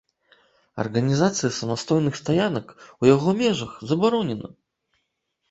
Арганізацыя самастойных стаянак у яго межах забаронена.